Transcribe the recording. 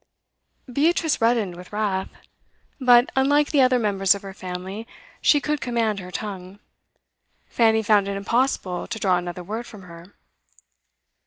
Beatrice reddened with wrath. But, unlike the other members of her family, she could command her tongue. Fanny found it impossible to draw another word from her.